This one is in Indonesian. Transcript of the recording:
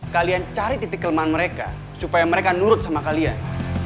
kalian cari titik kelemahan mereka supaya mereka nurut sama kalian